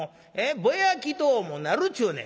ぼやきとうもなるっちゅうねん！